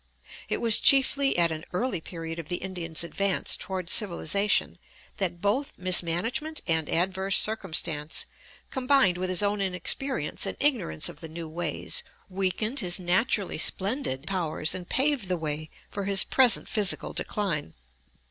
It was chiefly at an early period of the Indian's advance toward civilization that both mismanagement and adverse circumstance, combined with his own inexperience and ignorance of the new ways, weakened his naturally splendid powers and paved the way for his present physical decline.